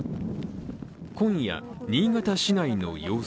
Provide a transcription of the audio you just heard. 今夜、新潟市内の様子。